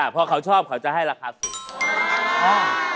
พอเขาชอบเขาจะให้ราคาสูง